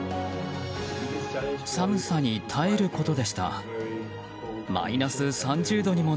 寒さに耐えることでした。